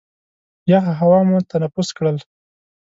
یخه هوا مو تنفس کړل.